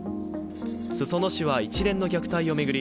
裾野市は一連の虐待を巡り